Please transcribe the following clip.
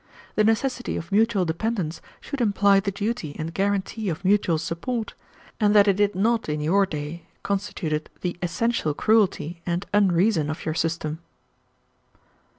The necessity of mutual dependence should imply the duty and guarantee of mutual support; and that it did not in your day constituted the essential cruelty and unreason of your system."